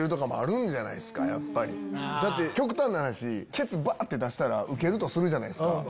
極端な話ケツ出したらウケるとするじゃないですか。